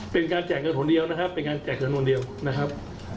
เป็นการแจกเงินหนเดียวนะครับเป็นการแจกจำนวนเดียวนะครับ